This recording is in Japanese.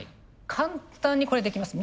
簡単にこれできます。